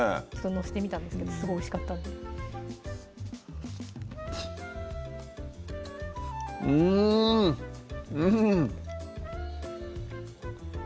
のせてみたんですけどすごいおいしかったんでうんうん！